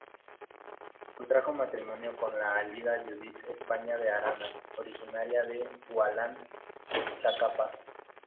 Contrajo matrimonio con Alida Judith España de Arana, originaria de Gualán, Zacapa.